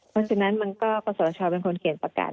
เพราะฉะนั้นมันก็กศชเป็นคนเขียนประกาศ